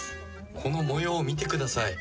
この模様見てください。